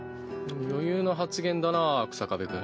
余裕の発言だな日下部君。